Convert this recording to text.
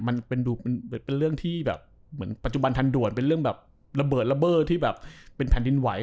มันเป็นเรื่องที่แบบเหมือนปัจจุบันทันด่วนเป็นเรื่องแบบระเบิดระเบิดที่แบบเป็นแผ่นดินไหว